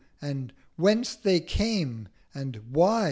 and 'Whence they came?' And 'Why?'